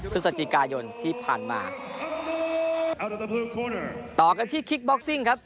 พฤศจิกายนที่ผ่านมาต่อกันที่คิกบ็อกซิงครับ